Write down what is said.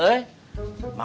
a udah yukut aja